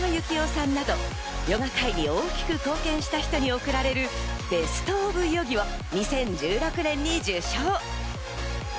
片岡鶴太郎さんや鳩山由紀夫さんなど、ヨガ界に大きく貢献した人におくられるベスト・オブ・ヨギを２０１６年に受賞。